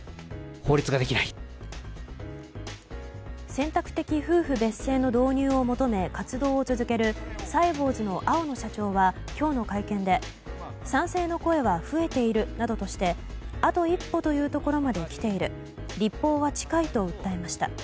選択的夫婦別姓の導入を求め活動を続けるサイボウズの青野社長は今日の会見で賛成の声は増えているなどとしてあと一歩というところまで来ている立法は近いと訴えました。